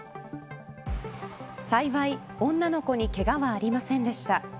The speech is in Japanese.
幸い女の子にけがはありませんでした。